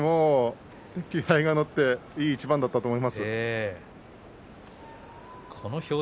気合いが乗っていていい一番だったと思います。